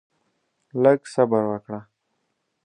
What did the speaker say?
لږ صبر وکړه؛